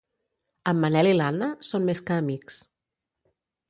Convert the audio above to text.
En Manel i l'Anna són més que amics.